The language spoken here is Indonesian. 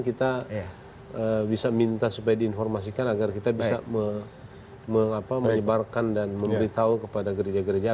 kita bisa minta supaya diinformasikan agar kita bisa menyebarkan dan memberitahu kepada gereja gereja